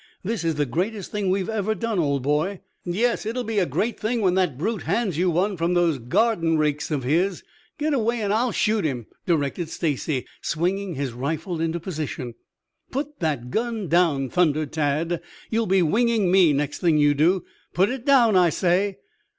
This is the greatest thing we've ever done, old boy!" "Yes, it'll be a great thing when the brute hands you one from those garden rakes of his. Get away and I'll shoot him," directed Stacy, swinging his rifle into position. "Put that gun down!" thundered Tad. "You'll be winging me next thing you do. Put it down, I say!"